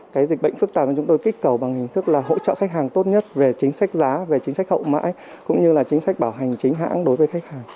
cái dịch bệnh phức tạp mà chúng tôi kích cầu bằng hình thức là hỗ trợ khách hàng tốt nhất về chính sách giá về chính sách hậu mãi cũng như là chính sách bảo hành chính hãng đối với khách hàng